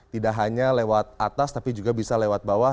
tidak hanya lewat atas tapi juga bisa lewat bawah